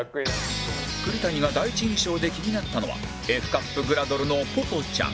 栗谷が第一印象で気になったのは Ｆ カップグラドルのぽぽちゃん